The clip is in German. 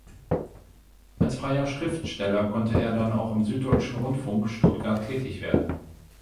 Als freier Schriftsteller konnte er dann auch am Süddeutschen Rundfunk Stuttgart tätig werden.